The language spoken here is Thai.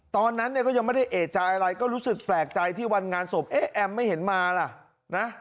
ตอนนั้นเนี่ยก็ยังไม่ได้เอกใจอะไรก็รู้สึกแปลกใจที่วันงานศพเอ๊ะแอมไม่เห็นมาล่ะนะ